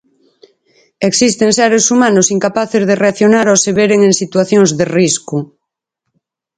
Existen seres humanos incapaces de reaccionar ao se veren en situacións de risco.